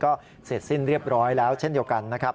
ก็เสร็จสิ้นเรียบร้อยแล้วเช่นเดียวกันนะครับ